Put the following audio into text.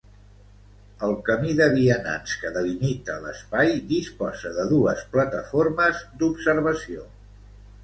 El camí de vianants que delimita l'espai disposa de dues plataformes d'observació.